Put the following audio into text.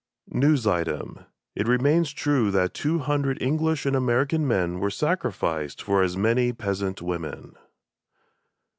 (News Item: It remains true that two hundred English and American men were sacrificed for as many peasant women.")